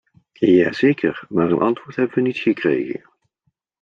Ja zeker, maar een antwoord hebben we niet gekregen!